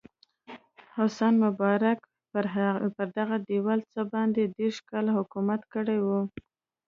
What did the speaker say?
حسن مبارک پر دغه هېواد څه باندې دېرش کاله حکومت کړی و.